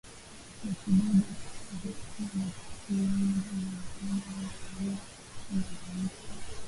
Bi kidude alikuwa na vitu vingi vilivyomfanya awe msanii aliyependwa zaidi